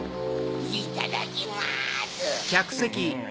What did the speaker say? いただきます。